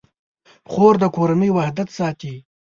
خور د کورنۍ وحدت ساتي.